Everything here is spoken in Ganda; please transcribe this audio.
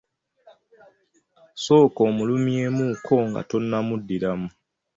Sooka omulumyeemukko nga tonnamuddiramu.